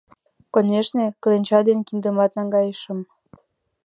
Конешне, кленча ден киндымат наҥгайышым.